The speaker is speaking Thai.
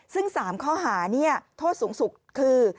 ซึ่ง๓ข้อหาเนี่ยโทษสูงสุขคือ